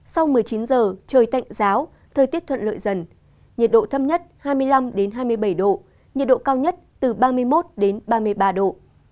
sau một mươi chín giờ trời tạnh giáo thời tiết thuận lợi dần nhiệt độ thấp nhất hai mươi năm hai mươi bảy độ nhiệt độ cao nhất từ ba mươi một ba mươi ba độ